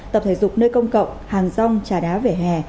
tập thể dục nơi công cộng hàng rong trà đá vỉa hè